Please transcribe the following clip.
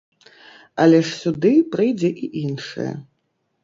Але ж сюды прыйдзе і іншае.